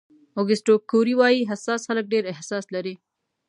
اوګسټو کوري وایي حساس خلک ډېر احساس لري.